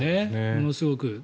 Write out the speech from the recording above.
ものすごく。